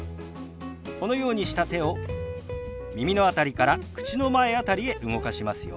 このようにした手を耳の辺りから口の前辺りへ動かしますよ。